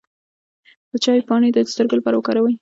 د چای پاڼې د سترګو لپاره وکاروئ